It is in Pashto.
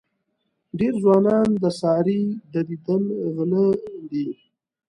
ډېر ځوانان د سارې د دیدن غله دي.